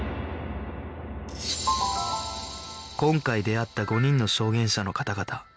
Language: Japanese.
今回出会った５人の証言者の方々